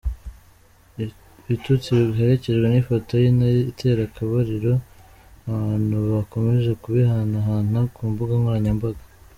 Ibitutsi biherekejwe n’ifoto y’intare itera akabariro abantu bakomeje kubihanahana ku mbuga nkoranyambaga.